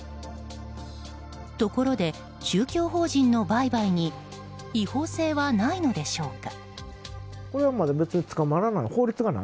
ところで、宗教法人の売買に違法性はないのでしょうか。